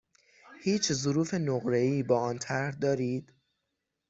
هیچ ظروف نقره ای با آن طرح دارید؟